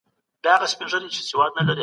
دوی باید ټولنیزې ستونزې حل کړې وای.